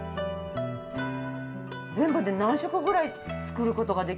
全部で何色ぐらい作る事ができるんですか？